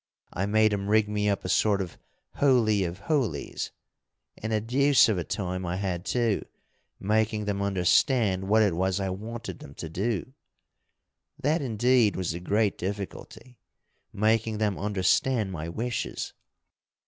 I made 'em rig me up a sort of holy of holies, and a deuce of a time I had too, making them understand what it was I wanted them to do. That indeed was the great difficulty making them understand my wishes.